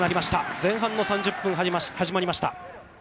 前半の３０分始まりました。